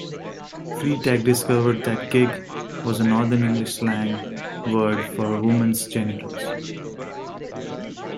Freitag discovered that "gig" was a Northern English slang word for a woman's genitals.